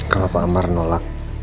kalau pak amar nolak